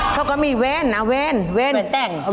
เค้าก็มีแว่นนะแว่นแว่นแว่นแก้ง